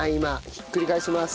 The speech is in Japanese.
ひっくり返します。